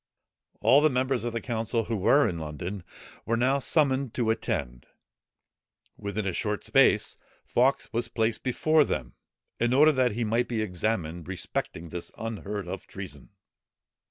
All the members of the council, who were in London, were now summoned to attend. Within a short space, Fawkes was placed before them, in order that he might be examined respecting this unheard of treason.